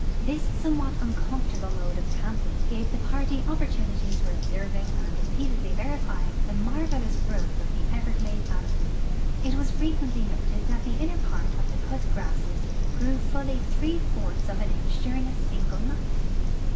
This somewhat uncomfortable mode of camping gave tbe party oj)))ortunities for observing and re ])eatedly verifying tbe marvelous growth of the everglade bam boo. It was frequently noted that the inner ]>art of the cut grasses grew fully three fourths of an inch during a single night.